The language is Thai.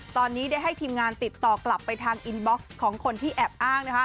ตอนนี้ได้ให้ทีมงานติดต่อกลับไปทางอินบ็อกซ์ของคนที่แอบอ้าง